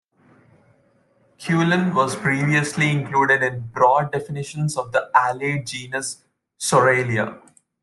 "Cullen" was previously included in broad definitions of the allied genus "Psoralea".